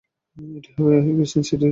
এটা হবে ক্রিসেন্ট সিটির রত্ন!